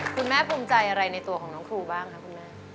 ภูมิใจอะไรในตัวของน้องครูบ้างคะคุณแม่